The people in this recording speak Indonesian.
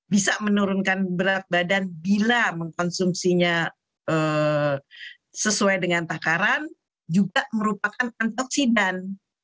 bisa menurunkan berat badan bila mengkonsumsinya sesuai dengan takaran juga merupakan antioksidan